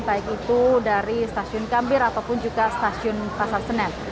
baik itu dari stasiun gambir ataupun juga stasiun pasar senen